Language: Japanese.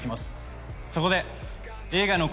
そこで。